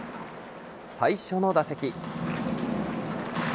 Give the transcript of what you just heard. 最初の打席。